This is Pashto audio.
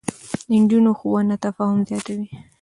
د نجونو ښوونه تفاهم زياتوي.